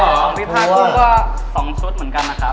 ของทีมพี่พ่อกูว่า๒ชุดเหมือนกันนะครับ